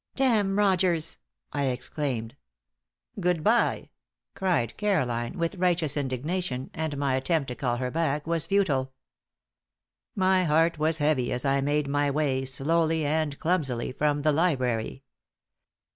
"Damn Rogers!" I exclaimed. "Good bye!" cried Caroline, with righteous indignation, and my attempt to call her back was futile. My heart was heavy as I made my way, slowly and clumsily, from the library.